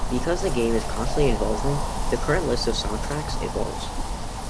Because the game is constantly evolving, the current list of soundtracks evolves.